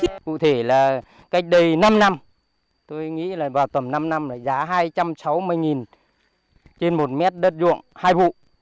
cụ thể là cách đây năm năm tôi nghĩ là vào tầm năm năm là giá hai trăm sáu mươi trên một mét đất ruộng hai vụ